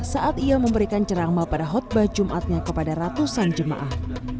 saat ia memberikan ceramah pada khutbah jumatnya kepada ratusan jemaah